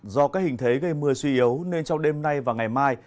do các hình thế gây mưa suy yếu nên trong đêm nay và ngày mai